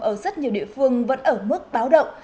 ở rất nhiều địa phương vẫn ở mức báo động